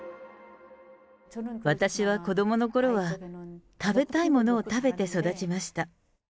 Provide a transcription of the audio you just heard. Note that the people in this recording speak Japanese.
私は子どものころは、食べたいものを食べて育ちました。